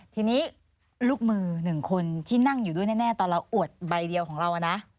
ทีนี้ลูกมือหนึ่งคนที่นั่งอยู่ด้วยแน่ตอนเราอวดใบเดียวของเรานะ